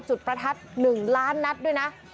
ประทัด๑ล้านนัดด้วยนะ